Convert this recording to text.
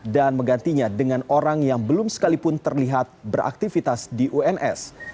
dan menggantinya dengan orang yang belum sekalipun terlihat beraktifitas di uns